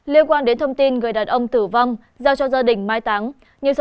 liên quan đến thông tin người đàn ông tử vong giao cho gia đình mai táng